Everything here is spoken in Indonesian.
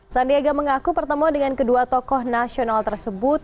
sandiaga mengaku pertemuan dengan kedua tokoh nasional tersebut